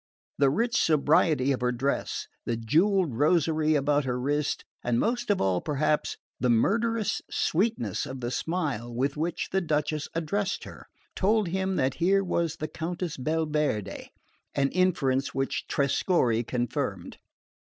The rich sobriety of her dress, the jewelled rosary about her wrist, and most of all, perhaps, the murderous sweetness of the smile with which the Duchess addressed her, told him that here was the Countess Belverde; an inference which Trescorre confirmed.